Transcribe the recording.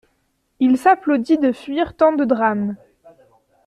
Il s'applaudit de fuir tant de drames.